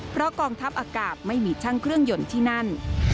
เพราะกองทัพอากาศไม่มีช่างเครื่องยนต์ที่นั่น